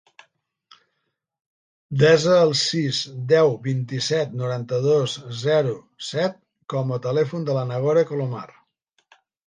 Desa el sis, deu, vint-i-set, noranta-dos, zero, set com a telèfon de la Nagore Colomar.